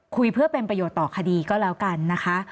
คุยเพื่อเป็นประโยชน์ต่อคดีก็แล้วกันนะคะ